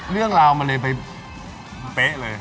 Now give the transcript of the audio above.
เรื่องราวมันเลยไปเป๊ะเลย